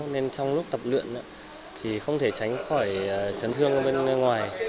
nên trong lúc tập luyện thì không thể tránh khỏi chấn thương bên ngoài